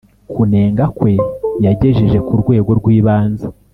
kunenga kwe yagejeje ku rwego rw ibanze